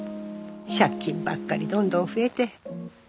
借金ばっかりどんどん増えて。